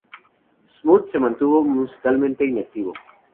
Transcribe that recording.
Smooth se mantuvo musicalmente inactivo.